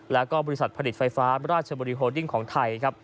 และบริษัทผลิตไฟฟ้าราชบุรีโฮดิงของไทย